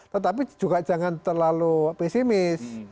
tetapi juga jangan terlalu pesimis